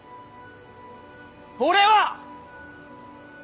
俺は！